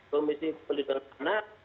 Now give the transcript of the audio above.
komisi pelindungan tanah